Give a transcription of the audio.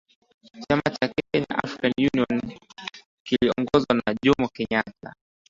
Chama cha Kenya African National Union kiliongozwa na Jomo Kenyatta